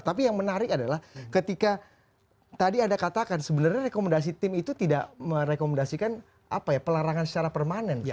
tapi yang menarik adalah ketika tadi anda katakan sebenarnya rekomendasi tim itu tidak merekomendasikan pelarangan secara permanen